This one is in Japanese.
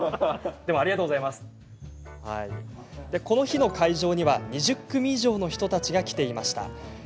この日の会場には２０組以上の人たちが来ていました。